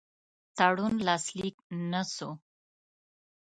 تړون لاسلیک نه سو.